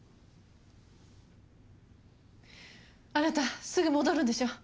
あなたすぐ戻るんでしょ？